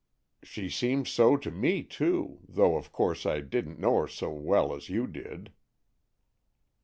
"She seemed so to me, too, though of course I didn't know her so well as you did."